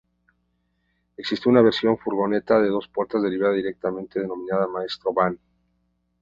Existió una versión furgoneta de dos puertas derivada directamente denominada Maestro Van.